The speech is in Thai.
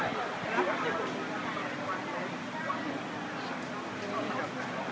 สวัสดีครับ